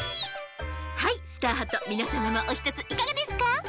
はいスターハットみなさまもおひとついかがですか？